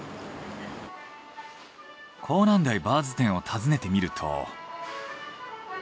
港南台バーズ店を訪ねてみると。